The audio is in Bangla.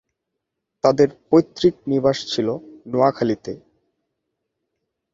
তাদের পৈতৃক নিবাস ছিল নোয়াখালীতে।